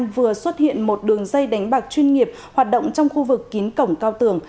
vừa xuất hiện một đường dây đánh bạc chuyên nghiệp hoạt động trong khu vực kín cổng cao tường